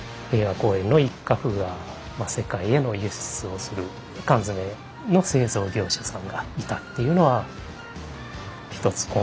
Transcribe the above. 平和公園の一画が世界への輸出をする缶詰の製造業者さんがいたっていうのはひとつ